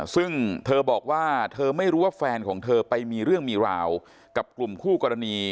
ซึ่งเธอบอกว่าเธอไม่รู้ว่าแฟนของเธอไปมีเรื่องมีราวกับกลุ่มคู่กรณี